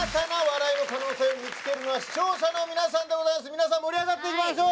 みなさん盛り上がっていきましょう。